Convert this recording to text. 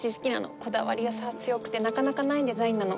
こだわりがさ強くてなかなかないデザインなの。